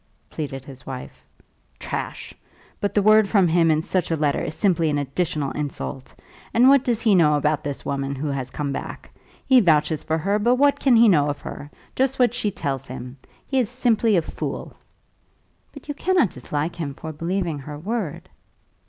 pleaded his wife. "Trash! But the word from him in such a letter is simply an additional insult. And what does he know about this woman who has come back? He vouches for her, but what can he know of her? Just what she tells him. He is simply a fool." "But you cannot dislike him for believing her word."